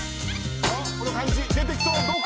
この感じ出てきそうどうか？